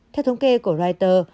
theo thống kê của reuters